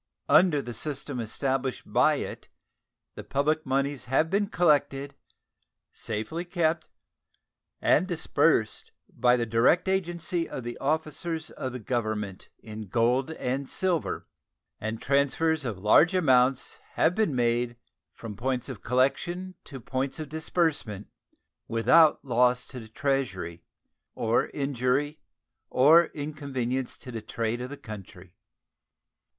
Under the system established by it the public moneys have been collected, safely kept, and disbursed by the direct agency of officers of the Government in gold and silver, and transfers of large amounts have been made from points of collection to points of disbursement without loss to the Treasury or injury or inconvenience to the trade of the country.